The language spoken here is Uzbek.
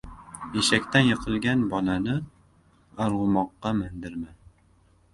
• Eshakdan yiqilgan bolani arg‘umoqqa mindirma.